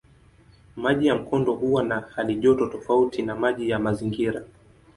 Maji ya mkondo huwa na halijoto tofauti na maji ya mazingira.